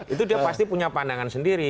itu dia pasti punya pandangan sendiri